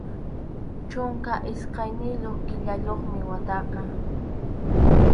Chunka iskayniyuq killayuqmi wataqa.